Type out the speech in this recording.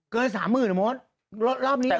เกิด๓๐๐๐๐อ่ะโมดรอบนี้หรือ